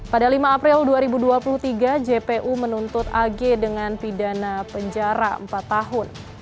pada lima april dua ribu dua puluh tiga jpu menuntut ag dengan pidana penjara empat tahun